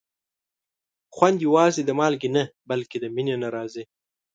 خوند یوازې د مالګې نه، بلکې د مینې نه راځي.